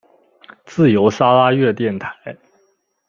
自由砂拉越电台。